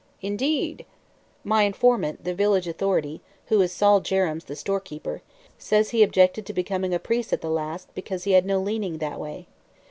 "Indeed!" "My informant, the village authority who is Sol Jerrems the storekeeper says he objected to becoming a priest at the last because he had no leaning that way.